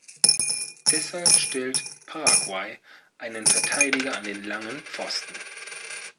Deshalb stellt Paraguay einen Verteidiger an den langen Pfosten.